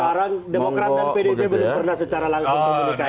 pokran dan pdb belum pernah secara langsung komunikasi